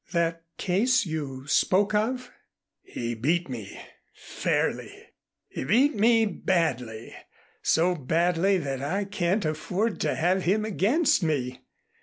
"That case you spoke of ?" "He beat me fairly and he beat me badly, so badly that I can't afford to have him against me.